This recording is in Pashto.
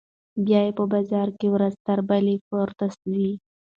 بیې په بازار کې ورځ تر بلې پورته ځي.